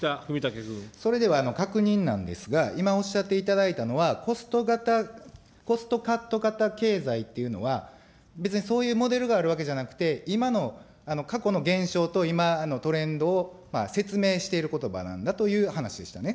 それでは確認なんですが、今、おっしゃっていただいたのは、コスト型、コストカット型経済というのは、別にそういうモデルがあるわけじゃなくて、今の過去のげんしょうと今のトレンドを説明していることばなんだという話でしたね。